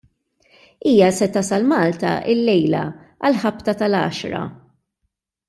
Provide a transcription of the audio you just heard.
Hija se tasal Malta llejla għall-ħabta tal-għaxra.